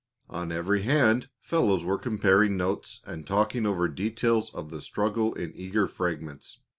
On every hand fellows were comparing notes and talking over details of the struggle in eager fragments.